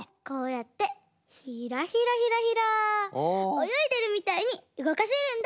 およいでるみたいにうごかせるんだ！